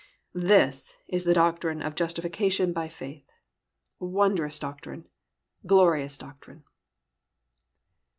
That is the doctrine of justification by faith. Wondrous doctrine! Glorious doctrine!